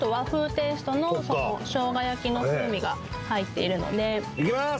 テイストの生姜焼きの風味が入っているのでいきます